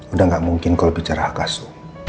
udah gak mungkin kalau bicara hakasso